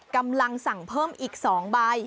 กำลังสั่งเพิ่มอีก๒ใบ